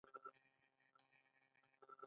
چین په دودیز اقتصاد ټینګار کاوه.